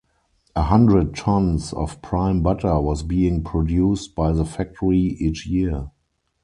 A hundred tons of prime butter was being produced by the factory each year.